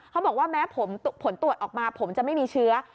เขาบอกว่าแม้ผลตรวจออกมาผมจะไม่มีเชื้อ